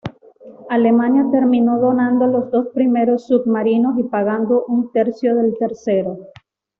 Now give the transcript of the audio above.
Alemania terminó donando los dos primeros submarinos y pagando un tercio del tercero.